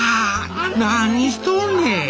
何しとんねん！